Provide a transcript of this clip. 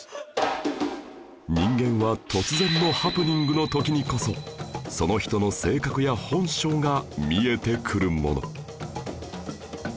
人間は突然のハプニングの時にこそその人の性格や本性が見えてくるもの